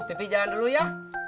pipi jalan dulu ya